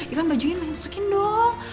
iva bajunya masukin dong